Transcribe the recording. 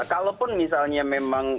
kalau pun misalnya memang